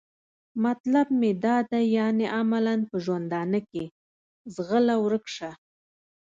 مطلب مې دا دی یعنې عملاً په ژوندانه کې؟ ځغله ورک شه.